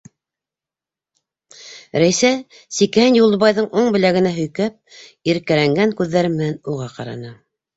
Рәйсә, сикәһен Юлдыбайҙың уң беләгенә һөйкәп, иркәләнгән күҙҙәре менән уға ҡараны.